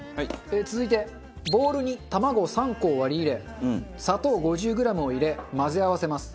続いてボウルに卵３個を割り入れ砂糖５０グラムを入れ混ぜ合わせます。